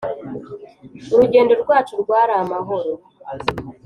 urugendo rwacu rwari amahoro